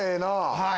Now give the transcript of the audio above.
はい。